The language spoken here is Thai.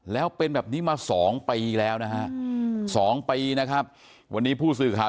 แล้วเป็นแบบนี้มา๒ปีแล้วนะฮะ๒ปีนะครับวันนี้ผู้สื่อข่าว